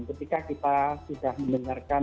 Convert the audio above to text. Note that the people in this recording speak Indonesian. ketika kita sudah mendengarkan